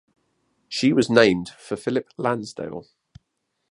She was named for Philip Lansdale.